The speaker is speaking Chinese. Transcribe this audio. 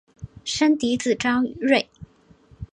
生嫡子张锐。